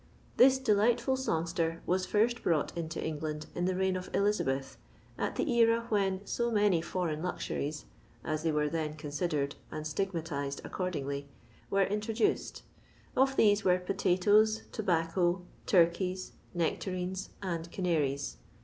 This delightful songster was first brought into England in the reign of Elizabeth, at the era when so many foreign luxuries (as they were then considered, and stigmatised accordingly) were introduced; of these were potatoes, tobacco, turkeys, necta rines, and canaries.